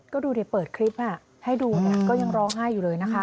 ก็ดูดิเปิดคลิปให้ดูก็ยังร้องไห้อยู่เลยนะคะ